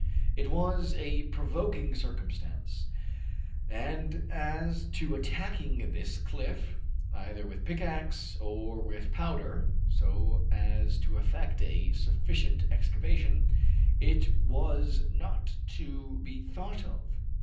It was a provoking circumstance, and as to attacking this cliff, either with pickaxe or with powder, so as to effect a sufficient excavation, it was not to be thought of.